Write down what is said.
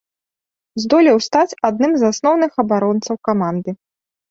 Здолеў стаць адным з асноўных абаронцаў каманды.